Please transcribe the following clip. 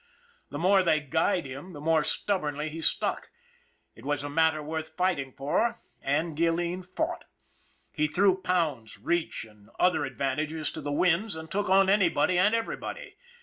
The more they guyed him the more stubbornly he stuck it was a matter worth fighting for, and Gilleen fought. He threw pounds, reach, and other advantages to the winds and took on anybody and everybody.